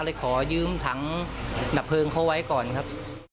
เลยขอยืมถังดับเพลิงเขาไว้ก่อนครับ